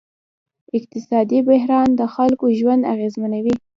اقتصادي بحران د خلکو ژوند اغېزمنوي.